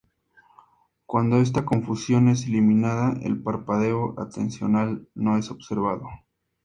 Cuando esta confusión es eliminada, el parpadeo atencional no es observado.